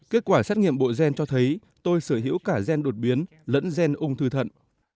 kết quả xét nghiệm bộ gen cho thấy tôi sở hữu cả gen đột biến lẫn gen ung thư thận